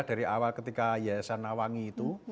dari awal ketika yayasan nawangi itu